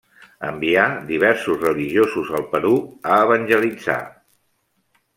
Envià diversos religiosos al Perú a evangelitzar.